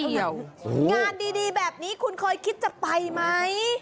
งานดีแบบนี้คุณเคยคิดจะไปไหม